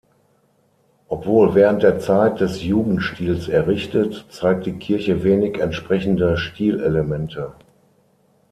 Obwohl während der Zeit des Jugendstils errichtet, zeigt die Kirche wenig entsprechende Stilelemente.